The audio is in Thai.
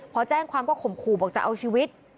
พอแจ้งความก็ข่มขู่บอกจะเอาชีวิต